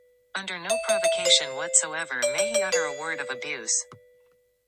Under no provocation whatsoever may he utter a word of abuse.